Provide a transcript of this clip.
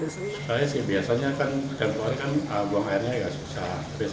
saya sih biasanya kan dalam waktu kan buang airnya nggak susah